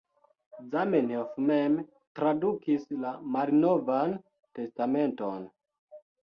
Zamenhof mem tradukis la Malnovan Testamenton.